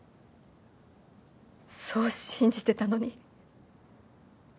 そう信じてたのに。